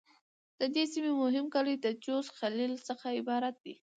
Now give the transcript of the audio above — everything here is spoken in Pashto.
د دې سیمې مهم کلي د: جوز، جلیل..څخه عبارت دي.